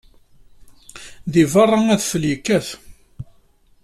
Deg beṛṛa, adfel yekkat.